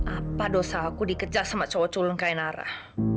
apa dosa aku dikejar sama cowok culung kain arah